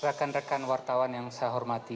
rakan rakan wartawan yang saya hormati